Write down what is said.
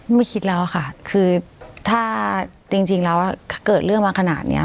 ไม่คิดแล้วค่ะคือถ้าจริงแล้วเกิดเรื่องมาขนาดนี้